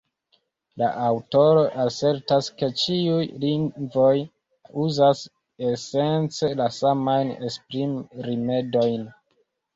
La aŭtoro asertas, ke ĉiuj lingvoj uzas esence la samajn esprimrimedojn.